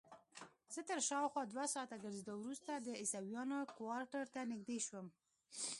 زه تر شاوخوا دوه ساعته ګرځېدو وروسته د عیسویانو کوارټر ته نږدې شوم.